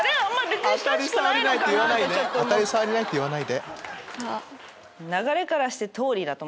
当たり障りないって言わないで。